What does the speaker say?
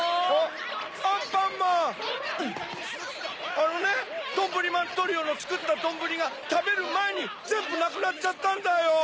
あのねどんぶりまんトリオのつくったどんぶりがたべるまえにぜんぶなくなっちゃったんだよ。